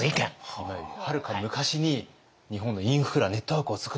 今よりはるか昔に日本のインフラネットワークを作った。